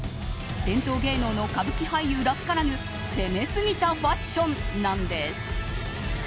伝統芸能の歌舞伎俳優らしからぬ攻めすぎたファッションなんです。